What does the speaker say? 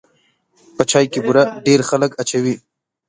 په چای کې بوره ډېر خلک اچوي.